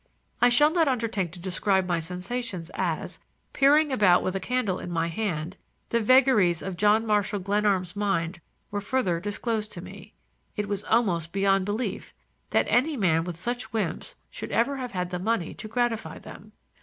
I shall not undertake to describe my sensations as, peering about with a candle in my hand, the vagaries of John Marshall Glenarm's mind were further disclosed to me. It was almost beyond belief that any man with such whims should ever have had the money to gratify them.